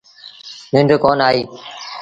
ننڊ ڪونا آئيٚ۔